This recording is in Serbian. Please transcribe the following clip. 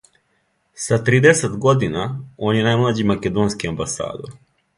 Са тридесет година, он је најмлађи македонски амбасадор.